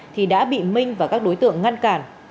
thì đã bị minh và các đối tượng ngăn cản